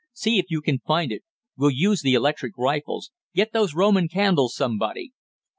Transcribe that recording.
See if you can find it. We'll use the electric rifles. Get those Roman candles somebody!"